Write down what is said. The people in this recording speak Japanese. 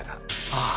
ああ！